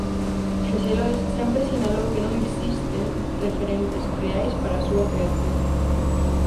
Xosé Lois sempre sinalou que non existen referentes reais para a súa creación.